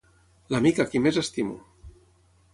L'amic a qui més estimo!